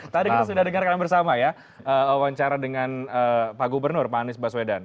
tadi kita sudah dengar kalian bersama ya wawancara dengan pak gubernur hanis baswedan